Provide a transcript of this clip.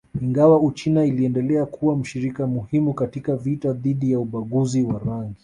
Ingawa Uchina iliendelea kuwa mshirika muhimu katika vita dhidi ya ubaguzi wa rangi